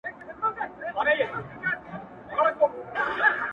زما د سرڅښتنه اوس خپه سم که خوشحاله سم ـ